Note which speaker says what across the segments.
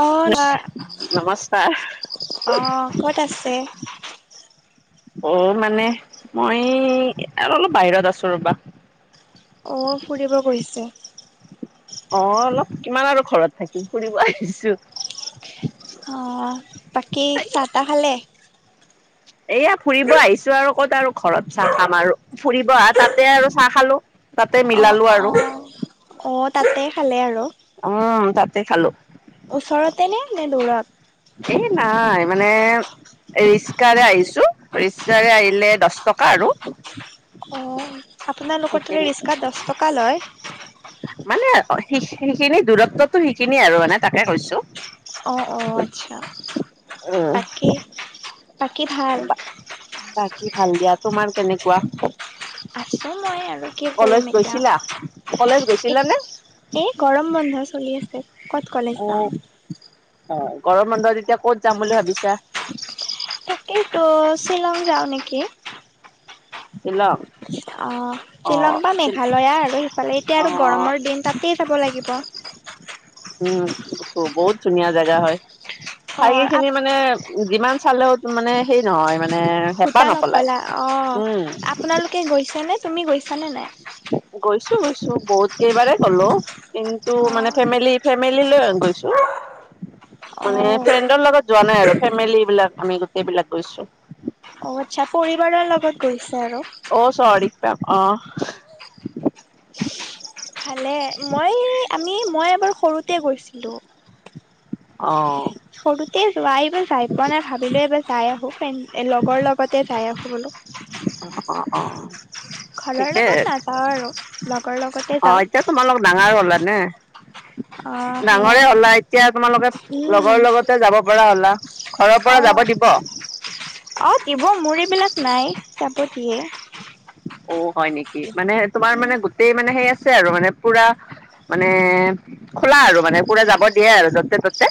Speaker 1: অহ ন
Speaker 2: নমস্কাৰ
Speaker 1: অহ ক'ত আছে
Speaker 2: অ' মানে মই অলপ বাহিৰত আছো ৰবা।
Speaker 1: অ ফুৰিব গৈছে।
Speaker 2: অ' অলপ কিমান আৰু ঘৰত থাকিম ফুৰিব আহিছো।
Speaker 1: অ বাকী চাহ তাহ খালে
Speaker 2: এইয়া ফুৰিব আহিছো আৰু ক'ত আৰু ঘৰত চাহ খাম আৰু ফুৰিব আহা তাতে আৰু চাহ খালো। তাতে
Speaker 1: অ',
Speaker 2: মিলালো আৰু।
Speaker 1: অ'। অ' তাতে খালে আৰু।
Speaker 2: উম তাতে খালো।
Speaker 1: ওচৰতে নে নে দূৰত
Speaker 2: এ নাই মানে ৰিক্সাৰে আহিছো ৰিক্সাৰে আহিলে দচ টকা আৰু
Speaker 1: অ আপোনালোকৰ তাতে
Speaker 2: সেইখিনি
Speaker 1: ৰিক্সাত দহ টকা লয়
Speaker 2: মানে সে সেইখিনি দূৰত্বতো সেইখিনিয়ে আৰু মানে তাকে কৈছো
Speaker 1: অ অ আচ্ছা
Speaker 2: উম
Speaker 1: বাকী বাকী ভাল
Speaker 2: বাকী ভাল দিয়া তোমাৰ কেনেকুৱা
Speaker 1: আছো মই আৰু কি
Speaker 2: কলেজ
Speaker 1: কৰিম
Speaker 2: গৈছিলা? কলেজ
Speaker 1: এতিয়া এ
Speaker 2: গৈছিলা নে?
Speaker 1: এ গৰম বন্ধ চলি আছে ক'ত কলেজ যাম
Speaker 2: অ', অ গৰম বন্ধত এতিয়া কত যাম বুলি ভাবিছা
Speaker 1: তাকইটো শ্বিলং যাওঁ নেকি
Speaker 2: শ্বিলং
Speaker 1: অ
Speaker 2: অ',
Speaker 1: শ্বিলং বা মেঘালয়া আৰু সিফালে এতিয়া আৰু
Speaker 2: অ',
Speaker 1: গৰমৰ দিন তাতে যাব লাগিব
Speaker 2: উম উম বহুত ধুনীয়া জেগা হয়
Speaker 1: অ', আপ
Speaker 2: ঠাইখিনি মানে যিমান চালেও মানে হেৰি নহয় মানে হেঁপাহ
Speaker 1: ভূটান
Speaker 2: নপলাই উম।
Speaker 1: তাতে গৈছানে তুমি গৈছা নে নাই
Speaker 2: গৈছো গৈছো বহুত কেইবাৰে গলো কিন্তু মানে
Speaker 1: অ',
Speaker 2: ফেমেলি ফেমেলি লৈ গৈছো। মানে
Speaker 1: অ',
Speaker 2: ফ্ৰেণ্ডৰ লগত যোৱা নাই আৰু ফেমেলী বিলাক আমি গোটেইবিলাক গৈছো।
Speaker 1: অ আচ্ছা পৰিবাৰৰ লগত গৈছা ন
Speaker 2: অ চৰি পা অ
Speaker 1: ভালে মই আমি মই এবাৰ সৰুতে গৈছিলোঁ
Speaker 2: অ
Speaker 1: সৰুতে যোৱা এইবাৰ যাই পোৱা নাই ভাবিলো এইবাৰ যাই আহো লগৰ লগতে যাই আহো বোলো
Speaker 2: অ অ অ
Speaker 1: ঘৰৰ
Speaker 2: ঠিকে
Speaker 1: লগত নাযাওঁ আৰু লগৰ লগতে
Speaker 2: অ
Speaker 1: যাওঁ
Speaker 2: এতিয়া তোমালোক ডাঙৰ হ'লা নে
Speaker 1: অ',
Speaker 2: ডাঙৰে
Speaker 1: সেয়াই
Speaker 2: হ'লা এতিয়া তোমালোকে
Speaker 1: উম,
Speaker 2: লগৰ লগতে যাব পৰা হলা ঘৰৰ পৰা
Speaker 1: অ
Speaker 2: যাব দিব
Speaker 1: আহ দিব মোৰ এইবিলাক নাই চাব দিয়ে
Speaker 2: অ হয় নেকি মানে তোমাৰ মানে গোতেই মানে সেই আছে আৰু মানে পুৰা মানে খোলা আৰু মানে পুৰা যাব দিয়ে আৰু যতে ততে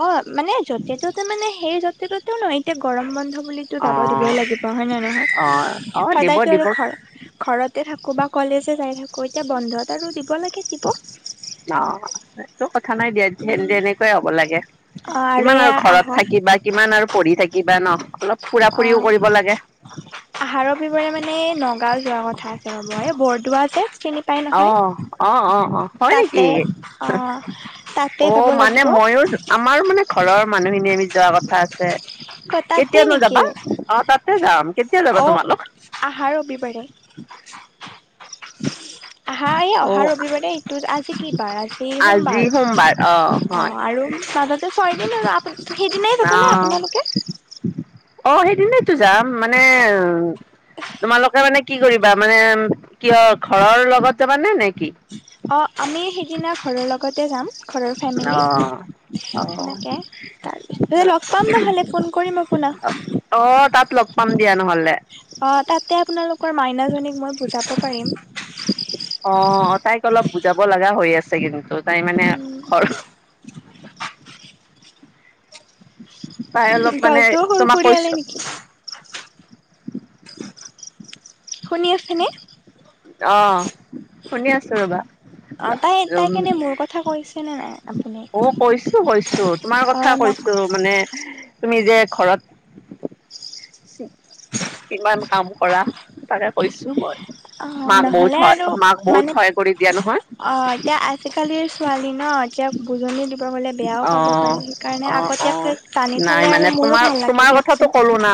Speaker 1: অ মানে য'তে ত'তে মানে সেই য'তে ত'তেও নহয় এতিয়া গৰম বন্ধ বুলি
Speaker 2: অ
Speaker 1: যাব দিবই লাগিব হয় ন
Speaker 2: অ
Speaker 1: নহয়
Speaker 2: অ দিব
Speaker 1: সদায়তো
Speaker 2: দিব
Speaker 1: আৰু ঘৰ ঘৰতে থাকো বা কলেজে যাই থাকো এতিয়া বন্ধত আৰু দিব লাগে দিব
Speaker 2: অ টো কথা নাই দিয়ান
Speaker 1: উম
Speaker 2: তেনেকুৱাই হ'ব লাগে
Speaker 1: অ
Speaker 2: কিমান আৰু
Speaker 1: এয়া
Speaker 2: ঘৰত
Speaker 1: আহা
Speaker 2: থাকি বা কিমান আৰু পঢ়ি থাকিবা ন অলপ ফুৰা
Speaker 1: অ
Speaker 2: ফুৰিও কৰিব লাগে
Speaker 1: আহাৰৰ বিবৰে মানে নগাঁও যোৱা কথা আছে ৰব এই বৰদোৱা যে পাই
Speaker 2: অ
Speaker 1: নহয়
Speaker 2: অ অ অ হয়
Speaker 1: তাতে
Speaker 2: নেকি
Speaker 1: অ তাতে
Speaker 2: অ
Speaker 1: যাব
Speaker 2: মানে
Speaker 1: লাগিব
Speaker 2: মইও আমাৰ মানে ঘৰৰ মানুহখিনিয়েম যোৱা কথা আছে
Speaker 1: ক তাতে
Speaker 2: কেতিয়া নু
Speaker 1: নেকি
Speaker 2: যাবা অ তাতে যাম কেতিয়া যাবা তোমালোক
Speaker 1: আহাৰ ৰবিবাৰে আহা এই অহা
Speaker 2: অ'
Speaker 1: ৰবিবাৰে এইটোত আজি কি বাৰ আজি সোমবাৰ অ আৰু মাজতে ছয় দিন আৰু আপ সেইদিনাই যাব নে
Speaker 2: অ'
Speaker 1: আপোনালোকে
Speaker 2: অ সেইদিনাইতো যাম মানে তোমালোকে মানে কি কৰিবা মানে কিহৰ ঘৰৰ লগত মানে নে নে কি
Speaker 1: অঁ আমি সেইদিনা ঘৰৰ লগতে যাম ঘৰৰ ফেমিলি
Speaker 2: অ' অ'
Speaker 1: সেনেকে তাৰপিছ লগ পাম নহ'লে ফোন কৰিম আপোনাক
Speaker 2: অ তাত লগ পাম দিয়া নহলে
Speaker 1: অ তাতে আপোনালোকৰ মাইনাজনিক মই বুজাব পাৰিম
Speaker 2: অ তাইক অলপ বুজাব লগা হৈ আছে কিন্তু তাই মানে ঘৰ। তাই অলপ মানে
Speaker 1: গলটো
Speaker 2: তোমাক
Speaker 1: সুৰসুৰিয়ালে
Speaker 2: কৈছো।
Speaker 1: নেকি শুনি আছেনে।
Speaker 2: অ শুনি আছো ৰবা।
Speaker 1: অ তাই তাই
Speaker 2: উম
Speaker 1: কেনে মোৰ কথা কৈছেনে নাই। আপুনি?
Speaker 2: অ কৈছো কৈছো তোমাৰ
Speaker 1: অ
Speaker 2: কথা
Speaker 1: ন
Speaker 2: কৈছো মানে তুমি যে ঘৰত। কিমান কাম কৰা তাকে কৈছো মই।
Speaker 1: অ
Speaker 2: মাক
Speaker 1: নহ'লে
Speaker 2: বহুত
Speaker 1: আৰু
Speaker 2: হয় মাক
Speaker 1: মানে
Speaker 2: বহুত সহায় কৰি দিয়া নহয়।
Speaker 1: অ এতিয়া আজিকালিৰ ছোৱালী ন এতিয়া। বুজনি দিব গ'লে বেয়াও
Speaker 2: অ
Speaker 1: পাব পাৰে সেইকাৰণে
Speaker 2: অ অ
Speaker 1: আগতীয়াকৈ টানি
Speaker 2: নাই
Speaker 1: থলে
Speaker 2: মানে
Speaker 1: আৰু মোৰো
Speaker 2: তোমাৰ
Speaker 1: ভাল লাগে।
Speaker 2: তোমাৰ কথাটো
Speaker 1: দিয়কচোন।
Speaker 2: ক'লো না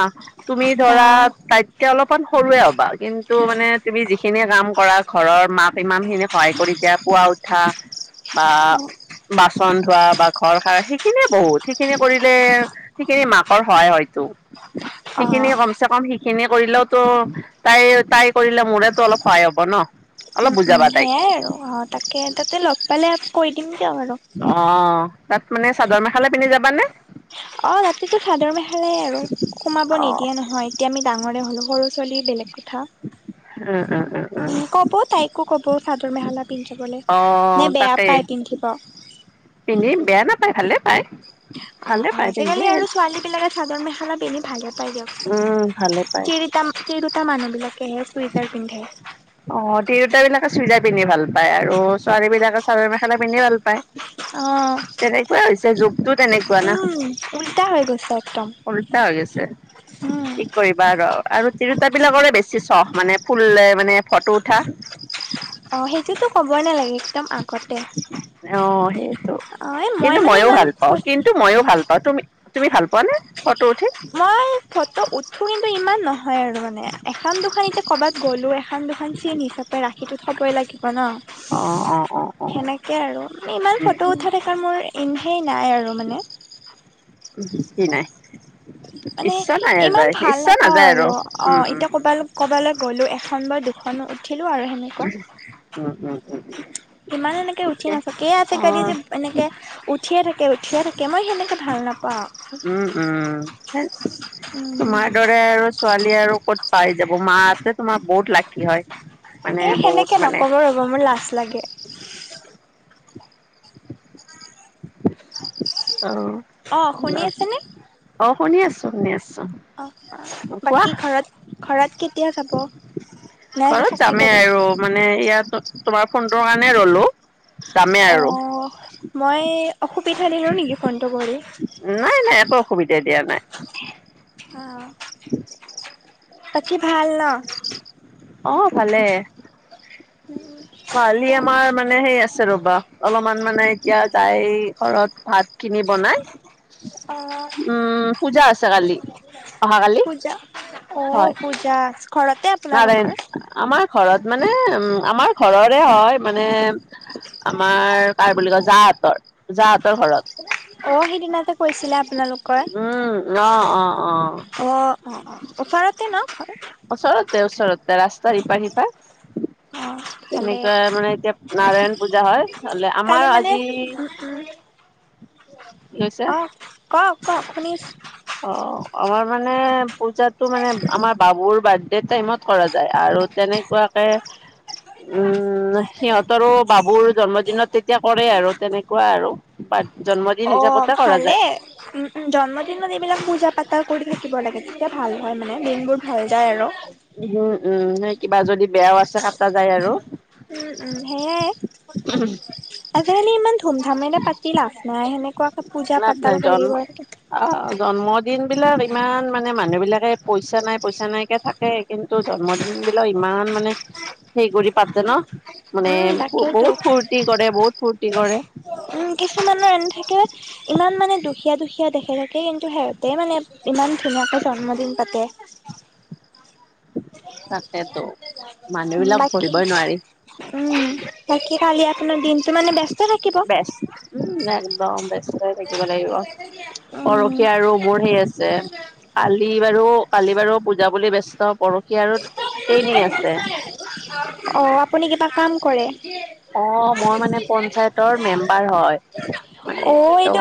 Speaker 2: তুমি
Speaker 1: অ
Speaker 2: ধৰা তাইক। এতিয়া অলপমান সৰুৱে হ'বা কিন্তু মানে তুমি যিখিনি কাম কৰা। ঘৰৰ মাক ইমান খিনি সহায় কৰি দিয়া পুৱা উঠা। বা বাচন ধোৱা বা ঘৰ খাৰ সেইখিনিয়ে বহুত সেইখিনি কৰিলে সিখিনি মাকৰ হয় হয়তো
Speaker 1: অ
Speaker 2: সেইখিনিয় কমছে কম শ এনে কৰিলেওতো তাই তাই কৰিলে মোৰেতো অলপ সহায় হব ন।
Speaker 1: উম
Speaker 2: অলপ
Speaker 1: উম
Speaker 2: বুজাবা তাইক
Speaker 1: সেয়াই আৰু অ তাকে তাতে লগ পালে কৈ দিম দিয়ক আৰু।
Speaker 2: অ তাত মানে চাদৰ মেখেলা পিন্ধি যাবানে?
Speaker 1: অ ৰাতিটো চাদৰ মেখেলাই আৰু সোমাব
Speaker 2: অ
Speaker 1: নিদিয়ে নহয়। এতিয়া আমি ডাঙৰে হ'লো সৰু ছোৱালীৰ বেলেগ কথা।
Speaker 2: [inaudible] উম
Speaker 1: উ ক'ব তাইকো ক'ব চাদৰ মেখেলা পিন্ধি বলে।
Speaker 2: অ
Speaker 1: নে বেয়া
Speaker 2: তাকে
Speaker 1: পায় পিন্ধিব?
Speaker 2: পিন্ধি বেয়া নাপায় ভালে পায়।
Speaker 1: অ
Speaker 2: ভালে
Speaker 1: অ
Speaker 2: পায় পিন্ধি
Speaker 1: আজিকালি আৰু ছোৱালী বিলাকে চাদৰ মেখেলা পিন্ধি ভালে পায় দিয়কচোন।
Speaker 2: উম ভালে পায়।
Speaker 1: তিৰোতা তিৰোতা মানুহ বিলাকেহে চুইজাৰ পিন্ধে।
Speaker 2: অ তিৰোতা বিলাকে চুইজা পিন্ধি ভাল পায় আৰু ছোৱালী বিলাকে চাদৰ মেখেলা পিন্ধি ভাল পায়।
Speaker 1: অ'।
Speaker 2: তেনেকুৱাই হৈছে যুগটো তেনেকুৱা না।
Speaker 1: উম, উল্টা হৈ গৈছে একদম।
Speaker 2: উলটা হৈ গৈছে
Speaker 1: উম।
Speaker 2: কি কৰিবা আৰু আৰু তিৰোতা বিলাকৰে বেছি চখ মানে ফুলে মানে ফটো উঠা।
Speaker 1: অঁ সেইটোতো ক'বই নালাগে একদম আগতে।
Speaker 2: অ সেইটো,
Speaker 1: অ', এই মই
Speaker 2: কিন্তু
Speaker 1: মানে
Speaker 2: মইয়ো
Speaker 1: ইমান
Speaker 2: ভাল পাওঁ কিন টো মইয়ো ভাল পাওঁ, তুমি তুমি ভাল পোৱা নে ফটো উঠি?
Speaker 1: মই ফটো উঠো কিন্তু ইমান ন হয় আৰু মানে এখন দুখন এতিয়া কৰ'বাত গ'লো এখন দুখন চিন হিচাপে ৰাখিটো থ'বই লাগি ব ন
Speaker 2: অ অ অ অ
Speaker 1: সেনেকে আৰু মানে ইমান
Speaker 2: উম
Speaker 1: ফটো
Speaker 2: উম
Speaker 1: উঠাই থকাৰ মোৰ ইন সেই নাই আৰু মানে।
Speaker 2: উহো কি নাই?
Speaker 1: মানে
Speaker 2: ইচ্ছা নাই
Speaker 1: ইমান
Speaker 2: যায়
Speaker 1: ভাল
Speaker 2: ইচ্ছা
Speaker 1: নাপাওঁ
Speaker 2: নাযায়
Speaker 1: আৰু অ
Speaker 2: উম উম
Speaker 1: এতিয়া
Speaker 2: উম
Speaker 1: কৰবালে ক'ৰবালে গ'লো এখন বা দুখন উঠিলো আৰু সেনেকুৱা।
Speaker 2: উম উম।
Speaker 1: ইমান এনেকে উঠি
Speaker 2: ঠিকে
Speaker 1: নাথাকে এই
Speaker 2: অ
Speaker 1: আজিকালি যে এনেকে উঠিয়ে থাকে উঠিয়ে থাকে মই সেনেকে ভাল নাপাওঁ।
Speaker 2: উম উম [inaudible]
Speaker 1: উম
Speaker 2: তোমাৰ [inaudible] দৰে আৰু ছোৱালী আৰু ক'ত পাই যাব মাঁহতে তোমাৰ বহুত লাকী হয়। মানে
Speaker 1: এ
Speaker 2: বহুত
Speaker 1: সেনেকে
Speaker 2: মানে
Speaker 1: নকব ৰ'ব মোৰ লাজ লাগে।
Speaker 2: অ।
Speaker 1: অ শুনি আছে নে?
Speaker 2: অ শুনি আছো শুনি আছো।
Speaker 1: অ
Speaker 2: অঁ কোৱা?
Speaker 1: বাকী ঘৰত ঘৰত কেতিয়া যাব? নাই
Speaker 2: ঘৰত
Speaker 1: থাকিব
Speaker 2: যামেই
Speaker 1: তাতে
Speaker 2: আৰু মানে ইয়াত তোমাৰ ফোনটোৰ কাৰণে ৰলো। যামেই
Speaker 1: অ
Speaker 2: আৰু
Speaker 1: মই অসুবিধা দিলোঁ নেকি ফোনটো কৰি।
Speaker 2: নাই নাই একো অসুবিধা দিয়া নাই।
Speaker 1: আ, বাকী ভাল ন?
Speaker 2: অ ভালে।
Speaker 1: [inaudible]
Speaker 2: কালি আমাৰ মানে সেই আছে ৰবা অলপমান মানে এতিয়া যাই ঘৰত ভাত খিনি বনাই
Speaker 1: অ
Speaker 2: উম পূজা আছে কালি। অহাকালি
Speaker 1: পূজা অ
Speaker 2: হয়
Speaker 1: পূজা ঘৰতে
Speaker 2: নাৰায়ণ
Speaker 1: আপোনালোকৰ
Speaker 2: আমাৰ ঘৰত মানে উম আমাৰ ঘৰৰে হয় মানে আমাৰ কাৰ বুলি কয় জাঁহতৰ জাঁহতৰ ঘৰত।
Speaker 1: অ, সিদিনা যে কৈছিলে আপোনালোকৰ
Speaker 2: উম অ অ অ
Speaker 1: অ, অফাৰতে ন!
Speaker 2: ওচৰতে-ওচৰতে ৰাস্তাৰ ইপাৰ-সিপাৰ।
Speaker 1: অ' ভালে
Speaker 2: তেনেকুৱা মানে এতিয়া নাৰায়ণ পূজা হয়, হ'লে
Speaker 1: কালি
Speaker 2: আমাৰ
Speaker 1: মানে
Speaker 2: আজি
Speaker 1: [unintelligible]
Speaker 2: কি হৈছে
Speaker 1: অ, কওক-কওক শুনি আছো।
Speaker 2: অ, আমাৰ মানে পূজাটো মানে আমাৰ বাবুৰ বাৰ্থডে টাইমত কৰা যায় আৰু তেনেকুৱাকে উম, সিহঁতৰো বাবুৰ জন্মদিনত তেতিয়া কৰে আৰু তেনেকুৱা আৰু। জন্মদিন হিচাপতে কৰা যায়।
Speaker 1: জন্মদিন মানে এইবিলাক পূজা-পাতল কৰি থাকিব লাগে, তেতিয়া ভাল হয় মানে, দিনবোৰ ভাল যায় আৰু।
Speaker 2: উম, উম, সেই কিবা যদি বেয়াও আছে, কাটা যায় আৰু।
Speaker 1: উম, উম, সেয়াই। আজিকালি ইমান ধুম-ধামেৰে পাতি লাভ নাই, সেনেকুৱা
Speaker 2: লাভ নাই, জন্ম অ, জন্মদিন বিলাক ইমান মানে মানুহ বিলাকে পইচা নাই, পইচা নাই কে থাকে। কিন্তু জন্মদিন বিলাক ইমান মানে হেৰি কৰি পাতে ন! মানে
Speaker 1: উম, তাকেইতো
Speaker 2: বহুত ফূৰ্তি কৰে, বহুত ফূৰ্তি কৰে।
Speaker 1: উম, কিছুমানৰ [unintelligible] থাকে। ইমান মানে দুখীয়া- দুখীয়া দেখাই থাকে, কিন্তু সিহঁতে মানে ইমান ধুনীয়াকে জন্মদিন পাতে।
Speaker 2: তাকেতো, মানুহ বিলাক
Speaker 1: বাকী
Speaker 2: ধৰিবই নোৱাৰি।
Speaker 1: উম, বাকী কালি আপোনাৰ দিনটো মানে ব্যস্ত থাকিব।
Speaker 2: বেষ্ট উম, একদম ব্যস্ত হৈ থাকিব লাগিব।
Speaker 1: উম,
Speaker 2: পৰসি আৰু মোৰ সেই আছে, কালি বাৰু কালি বাৰু পূ পূজা বুলি ব্যস্ত, পৰহি আৰু ট্ৰেইনিং আছে
Speaker 1: অ, আপুনি কিবা কাম কৰে?
Speaker 2: অ, মই মানে পঞ্চায়তৰ মেম্বাৰ হয়, মানে ত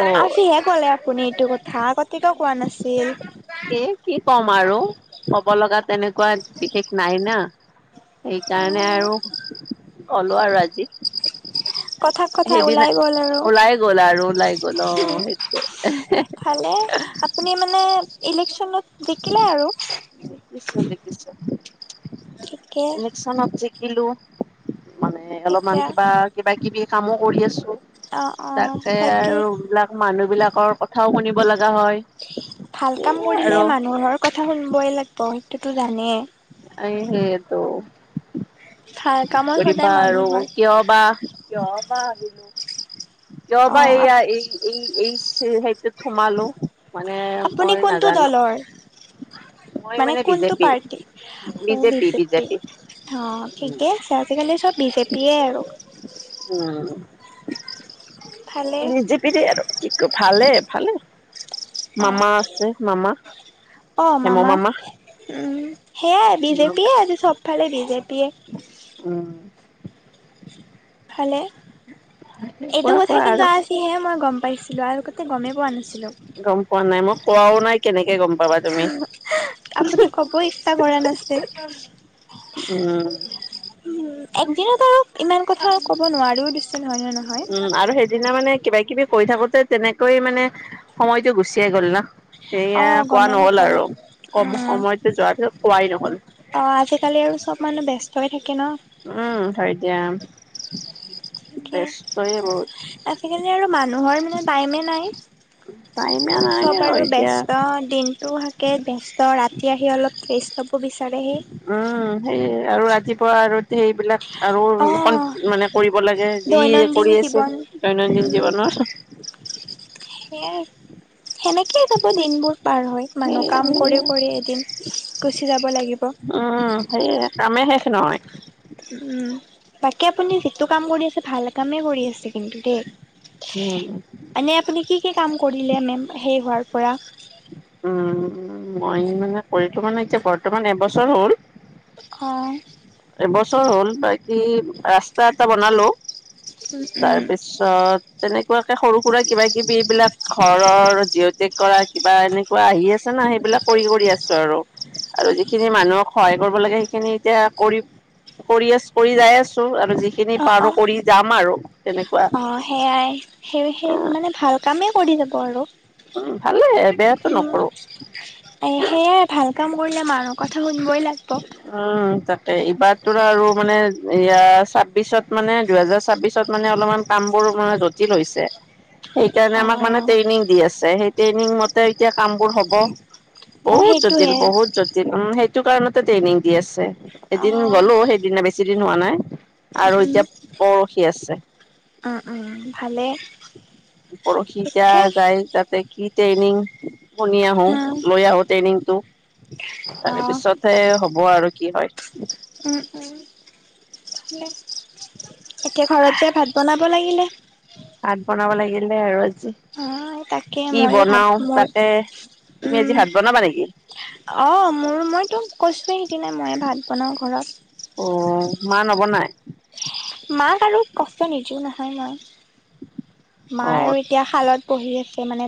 Speaker 1: কি ক'লে আপুনি এইটো কথা, আগতে কিয় কোৱা নাছিল?
Speaker 2: এ, কি ক'ম আৰু? ক'ব লগা তেনেকুৱা বিশেষ নাই না। সেইকাৰণে
Speaker 1: অ'
Speaker 2: আৰু ক'লো আৰু আজি।
Speaker 1: কথাত কথা
Speaker 2: সেইদিনা,
Speaker 1: ওলাই গ'ল আৰু।
Speaker 2: ওলাই গ'ল আৰু ওলাই গ'ল, অ, সেইটোৱে।
Speaker 1: ভালেই, আপুনি মানে ইলেকচনত জিকিলে আৰু।
Speaker 2: জিকিছো- জিকিছো।
Speaker 1: ঠিকে।
Speaker 2: ইলেকচনত জিকিলো, মানে অলপমান
Speaker 1: এতিয়া
Speaker 2: কিবা-কিবা- কিবি কামো কৰি আছো।
Speaker 1: অ' অ'
Speaker 2: তাকে
Speaker 1: বাকী
Speaker 2: আৰু বিলাক মানুহ বিলাকৰ কথাও শুনিব লগা হয়।
Speaker 1: ভাল
Speaker 2: এই
Speaker 1: কাম কৰিলে
Speaker 2: আৰু
Speaker 1: মানুহৰ কথা শুনিবই লাগিব, সেইটো জানেই।
Speaker 2: [unintelligible] সেইটো।
Speaker 1: ভাল কামৰ সদায়
Speaker 2: কৰিবা আৰু
Speaker 1: মানুহৰ
Speaker 2: কিয় বা [unintelligible] কিয়বা
Speaker 1: অ'
Speaker 2: এইয়া এই এই, এই সেইটোত সোমালো। মানে
Speaker 1: আপুনি
Speaker 2: মই
Speaker 1: কোনটো
Speaker 2: নাজানো
Speaker 1: দলৰ?
Speaker 2: মই
Speaker 1: মানে কোনটো
Speaker 2: বিজেপি
Speaker 1: পাৰ্টি? বিজেপি অ, ঠিকেই আছে। আজিকালি চব বিজেপিয়ে আৰু।
Speaker 2: উম।
Speaker 1: ভালে
Speaker 2: বিজেপিৰে আৰু, কি কয় ভালে, ভালে,
Speaker 1: অ
Speaker 2: মামা আছে, মামা।
Speaker 1: অ, মামা, উম, সেয়াই বিজেপিয়ে আৰু, বোলো চবফালে বিজেপিয়ে।
Speaker 2: উম
Speaker 1: ভালে, এইটো
Speaker 2: কোৱা
Speaker 1: কথা
Speaker 2: কোৱা
Speaker 1: কিন্তু
Speaker 2: আৰু
Speaker 1: আজ জিহে মই গম পাইছিলোঁ, আগতে গমেই পোৱা নাছিলোঁ।
Speaker 2: গম পোৱা নাই, মই কোৱাও নাই কেনেকে গম পাবা তুমি?
Speaker 1: আপুনি ক'ব ইচ্ছা কৰা নাছিল
Speaker 2: উম
Speaker 1: উম, একদিনত আৰু ইমান কথা ক'ব নোৱাৰিও দেচোন, হয় নে নহয়?
Speaker 2: উম আৰু সেইদিনা মানে কিবা কিবি কৈ থাকোতে তেনেকৈ মানে সময়টো গুচিয়েই গ'ল ন!
Speaker 1: অ
Speaker 2: এয়া কোৱা
Speaker 1: গমেই
Speaker 2: নহ'ল
Speaker 1: নাপালো
Speaker 2: আৰু। কম
Speaker 1: উম
Speaker 2: সময়তো যোৱাৰ পাছত কোৱাই নহ'ল।
Speaker 1: অ, আজিকালি আৰু চব মানুহ ব্যস্তহৈ থাকে ন!
Speaker 2: উম, হয় দিয়া,
Speaker 1: তাকে
Speaker 2: ব্যস্তৱে‌ বহুত।
Speaker 1: আজিকালি আৰু মানুহৰ মানে টাইমে নাই।
Speaker 2: টাইমে নাই
Speaker 1: চব আৰু
Speaker 2: এতিয়া
Speaker 1: ব্যস্ত, দিনটোও থাকে ব্যস্ত ৰাতি আহি অলপ ৰেষ্ট ল'ব বিচাৰেহি।
Speaker 2: উম, উম, সেইৱে, আৰু ৰাতিপুৱা আৰু সেইবিলাক আৰু কন
Speaker 1: অ',
Speaker 2: মানে কৰিব লাগে, যি
Speaker 1: দৈনন্দিন
Speaker 2: কৰি আছে
Speaker 1: জীৱন
Speaker 2: দৈনন্দিন
Speaker 1: উম,
Speaker 2: জীৱনৰ।
Speaker 1: সেয়াই, সেনেকেই যাব দিনবোৰ পাৰ হৈ। মানুহ
Speaker 2: সেয়ে
Speaker 1: কাম কৰি
Speaker 2: সেয়ে
Speaker 1: কৰি এদিন গুচি যাব লাগিব।
Speaker 2: উম, সেয়া, কামে শেষ নহয়।
Speaker 1: উম, উম, তাকে আপুনি যিটো কাম কৰি আছে, ভাল কামেই কৰি আছে কিন্তু দেই।
Speaker 2: উম
Speaker 1: এনেই আপুনি কি কি কাম কৰিলে মেম সেই হোৱাৰ পৰা?
Speaker 2: উম, মই মানে কৰিলো মানে বৰ্তমান এবছৰ হ'ল।
Speaker 1: অ'
Speaker 2: এবছৰ হ'ল, বাকী ৰাস্তা এটা বনালো।
Speaker 1: উম, উম।
Speaker 2: তাৰপিছত তেনেকুৱাকে সৰু সুৰা কিবা-কিবি এইবিলাক ঘৰৰ জিঅটেক কৰা, কিবা এনেকুৱা আহি আছে ন, সেইবিলাক কৰি কৰি আছো আৰু। আৰু যিখিনি মানুহক সহায় কৰিব লাগে সেইখিনি এতিয়া কৰি কৰি আছ কৰি যাই আছোঁ, তুমি আৰু যিখিনি
Speaker 1: অ',
Speaker 2: পাৰো
Speaker 1: অ',
Speaker 2: কৰি যাম আৰু, তেনেকুৱা।
Speaker 1: অ', সেয়াই, সেই সেই, মানে ভাল কামেই কৰি যাব আৰু।
Speaker 2: উম, ভালেই, বেয়াটো নকৰো।
Speaker 1: এই সেয়াই ভাল কাম কৰিলে মানুহ কথা শুনবই লাগব।
Speaker 2: উম, তাকে। এইবাৰতো আৰু মানে এয়া ছাব্বিশত মানে দুহেজাৰ ছাব্বিচত মানে অলমান কাম বোৰ মানে জটিল হৈছে। সেইকাৰণে আমাক মানে
Speaker 1: অ
Speaker 2: ট্ৰেইনিং দি আছে, সেই ট্ৰেইনিং মতে এতিয়া কামবোৰ হ'ব।
Speaker 1: অ
Speaker 2: বহুত জটিল,
Speaker 1: সেইটোহে
Speaker 2: বহুত জটিল, উম, সেইটো কাৰণতে ট্ৰেইনিং দি আছে।
Speaker 1: অ
Speaker 2: এদিন গলো
Speaker 1: উম
Speaker 2: সেইদিনা, বেছি দিন হোৱা নাই। আৰু
Speaker 1: উম
Speaker 2: এতিয়া পৰশি আছে।
Speaker 1: উম, উম, ভালেই।
Speaker 2: পৰসি এতিয়া যায় তাতে কি ট্ৰেইনিং শুনি আহো,
Speaker 1: উম
Speaker 2: লৈ আহো ট্ৰেইনিংটো,
Speaker 1: অ
Speaker 2: তাৰে পিছতহে হ'ব আৰু কি হয়।
Speaker 1: উম, উম। এতিয়া ঘৰত যায় ভাত বনাব লাগিলে।
Speaker 2: ভাত বনাব লাগিলেই আৰু আজি।
Speaker 1: অ তাকে
Speaker 2: কি
Speaker 1: ময়ো ভাত
Speaker 2: বনাও
Speaker 1: মোৰ
Speaker 2: তাকে, তুমি
Speaker 1: উম
Speaker 2: আজি ভাত বনাবা নেকি?
Speaker 1: অ' মোৰ মইতো কৈছোয়ে সেইদিনাই মইয়ে ভাত বনাও ঘৰত।
Speaker 2: অ' মা নবনাই?
Speaker 1: মাক আৰু কষ্ট নিদিও নহয় মই, মা
Speaker 2: অ'
Speaker 1: আৰু- এতিয়া শালত বহি আছে মানে।